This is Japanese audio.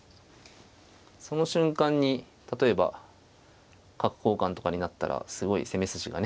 その瞬間に例えば角交換とかになったらすごい攻め筋がね